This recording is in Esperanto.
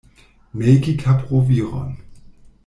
Melki kaproviron.